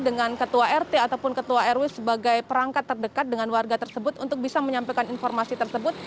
dengan ketua rt ataupun ketua rw sebagai perangkat terdekat dengan warga tersebut untuk bisa menyampaikan informasi tersebut